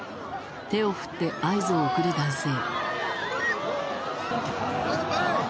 手を振って合図を送る男性。